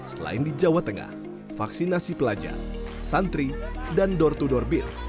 selain di jawa tengah vaksinasi pelajar santri dan door to door bir